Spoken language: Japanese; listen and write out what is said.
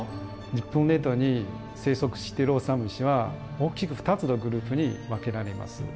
日本列島に生息してるオサムシは大きく２つのグループに分けられます。